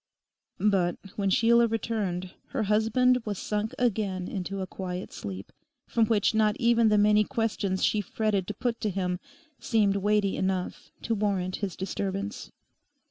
But when Sheila returned, her husband was sunk again into a quiet sleep, from which not even the many questions she fretted to put to him seemed weighty enough to warrant his disturbance.